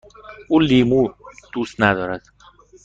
او لیمو دوست ندارد.